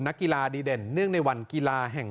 นักกีฬาดีเด่นเนื่องในวันกีฬาแห่ง